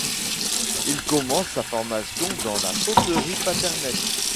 Il commence sa formation dans la poterie paternelle.